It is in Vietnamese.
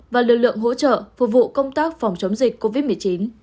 và lực lượng hỗ trợ phục vụ công tác phòng chống dịch covid một mươi chín